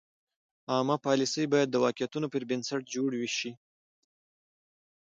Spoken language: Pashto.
عامه پالیسۍ باید د واقعیتونو پر بنسټ جوړې شي.